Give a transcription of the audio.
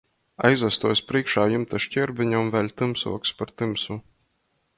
Aizastuos prīškā jumta škierbeņom vēļ tymsuoks par tymsu.